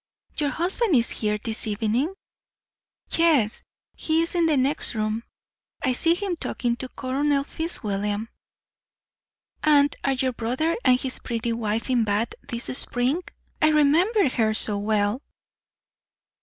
"Your husband is here this evening?" "Yes, he is in the next room; I see him talking to Colonel Fitzwilliam." "And are your brother and his pretty wife in Bath this spring? I remember her so well."